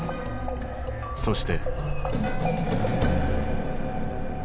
そして。